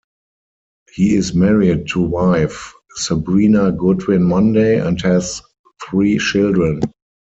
He is married to wife, Sabrina Goodwin Monday and has three children.